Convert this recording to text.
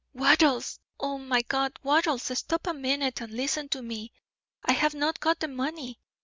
"Wattles I oh, my God! Wattles, stop a minute and listen to me. I have not got the money.